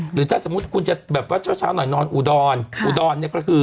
หรือถ้าสมมุติคุณจะแบบว่าเช้าหน่อยนอนอุดรอุดรเนี่ยก็คือ